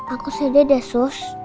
aku sedih deh sus